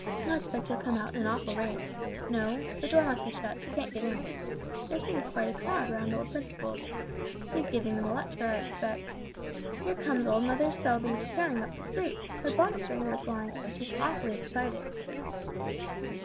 I expect he'll come out in an awful rage. No the door must be shut, he can't get in. There seems quite a crowd round old Principle's. He's giving them a lecture, I expect. Here comes old Mother Selby tearing up the street, her bonnet strings are flying and she's awfully excited!"